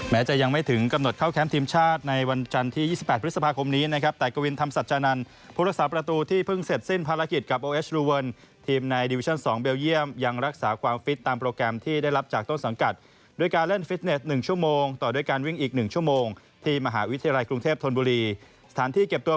แม้จะยังไม่ถึงกำหนดเข้าแคมป์ทีมชาติในวันจันทร์ที่๒๘พฤษภาคมนี้นะครับแต่กวินธรรมสัจจานันต์ผู้รักษาประตูที่เพิ่งเสร็จสิ้นภารกิจกับโอเอชรูเวิลทีมในดิวิชั่น๒เบลเยี่ยมยังรักษาความฟิตตามโปรแกรมที่ได้รับจากต้นสังกัดด้วยการเล่นฟิตเนส๑ชั่วโมงต่อด้วยการว